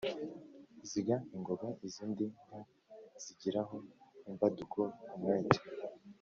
ziga ingoga: izindi nka zigiraho imbaduko , umwete